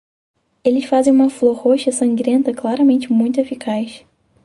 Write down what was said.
Eles fazem uma flor roxa sangrenta claramente muito eficaz.